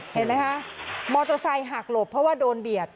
เห็นไหมคะมอเตอร์ไซค์หักหลบเพราะว่าโดนเบียด